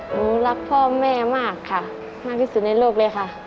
รักพ่อแม่มากค่ะมากที่สุดในโลกเลยค่ะ